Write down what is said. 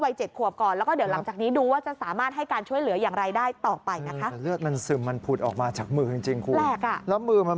แล้วมือมันไม่มีรูกลุ่มขนไม่มีแผลมันออกไปยังไง